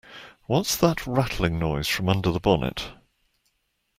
What's that rattling noise from under the bonnet?